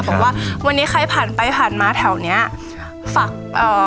บอกว่าวันนี้ใครผ่านไปผ่านมาแถวเนี้ยฝากเอ่อ